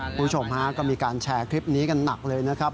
คุณผู้ชมฮะก็มีการแชร์คลิปนี้กันหนักเลยนะครับ